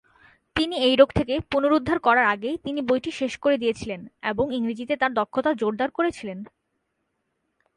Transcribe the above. তিনি এই রোগ থেকে পুনরুদ্ধার করার আগেই তিনি বইটি শেষ করে দিয়েছিলেন এবং ইংরেজিতে তার দক্ষতা জোরদার করেছিলেন।